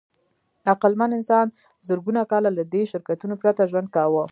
عقلمن انسان زرګونه کاله له دې شرکتونو پرته ژوند کاوه.